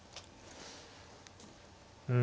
うん。